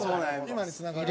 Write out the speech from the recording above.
今につながるんだ。